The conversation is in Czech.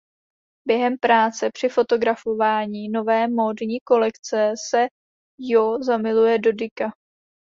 Během práce při fotografování nové módní kolekce se Jo zamiluje do Dicka.